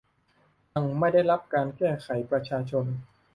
ยังไม่ได้รับการแก้ไขประชาชน